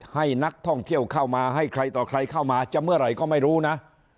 ให้นักท่องเที่ยวเข้ามาให้ใครต่อใครเข้ามาจะเมื่อไหร่ก็ไม่รู้นะ